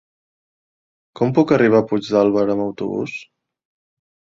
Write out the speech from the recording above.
Com puc arribar a Puigdàlber amb autobús?